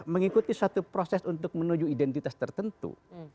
mengikuti suatu proses untuk menuju identitas tertentu